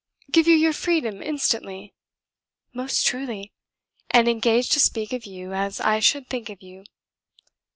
. give you your freedom instantly; most truly; and engage to speak of you as I should think of you.